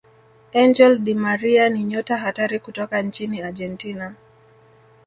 angel Di Maria ni nyota hatari kutoka nchini argentina